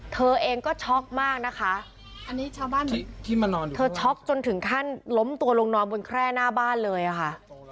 เธอเองก็ช็อกมากนะคะอันนี้ชาวบ้านบอกเธอช็อกจนถึงขั้นล้มตัวลงนอนบนแคร่หน้าบ้านเลยอะค่ะ